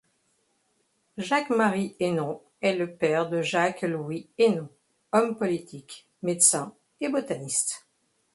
Jacques-Marie Hénon est le père de Jacques Louis Hénon, homme politique, médecin et botaniste.